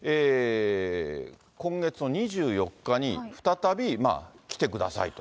今月の２４日に再び来てくださいと。